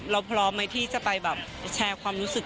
เราพร้อมไหมที่จะไปแบบแชร์ความรู้สึก